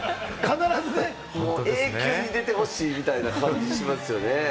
永久に出てほしいみたいな感じしますよね。